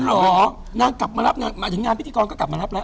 เหรอนางกลับมารับงานหมายถึงงานพิธีกรก็กลับมารับแล้ว